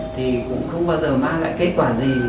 thì cũng không bao giờ mang lại kết quả gì